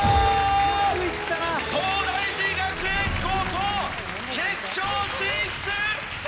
東大寺学園高校決勝進出！